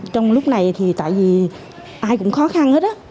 trong lúc này thì tại vì ai cũng khó khăn hết đó